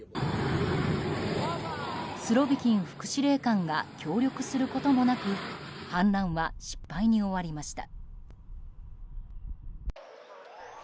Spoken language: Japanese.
スロビキン副司令官が協力することもなく反乱は失敗に終わりました。